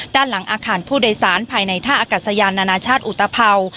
ด้านหลังอาคารผู้โดยสารภายในท่าอากาศยานนานาชาติอุตภัวร์